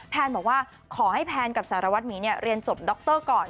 แนนบอกว่าขอให้แพนกับสารวัตรหมีเรียนจบดรก่อน